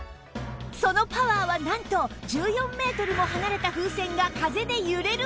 そのパワーはなんと１４メートルも離れた風船が風で揺れるほど！